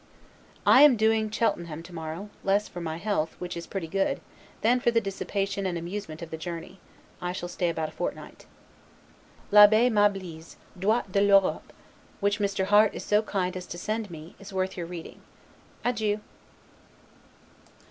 I am doing to Cheltenham to morrow, less for my health; which is pretty good, than for the dissipation and amusement of the journey. I shall stay about a fortnight. L'Abbe Mably's 'Droit de l'Europe', which Mr. Harte is so kind as to send me, is worth your reading. Adieu.